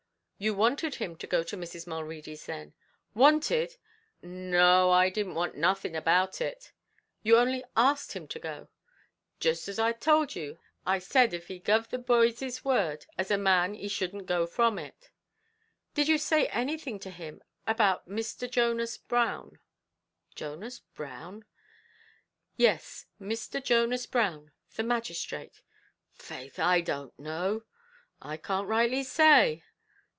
"You wanted him to go to Mrs. Mulready's, then?" "Wanted! No, I didn't want nothing about it." "You only asked him to go?" "Jist as I towld you; I said av he guv the boys his word, as a man he shouldn't go from it." "Did you say anything to him about Mr. Jonas Brown?" "Jonas Brown?" "Yes, Mr. Jonas Brown, the magistrate?" "Faix, I don't know. I can't rightly say."